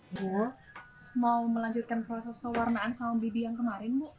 ibu mau melanjutkan proses pewarnaan saham bibi yang kemarin bu